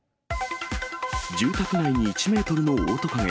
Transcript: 住宅街に１メートルのオオトカゲ。